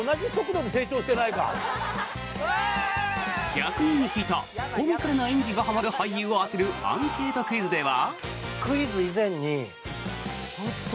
１００人に聞いたコミカルな演技がはまる俳優を当てるアンケートクイズでは。